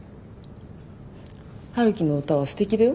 陽樹の歌はすてきだよ。